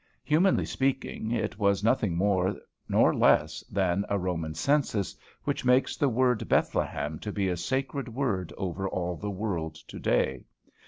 Humanly speaking, it was nothing more nor less than a Roman census which makes the word Bethlehem to be a sacred word over all the world to day.